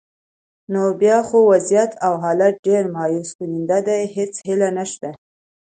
نو بیا خو وضعیت او حالات ډېر مایوسونکي دي، هیڅ هیله نشته.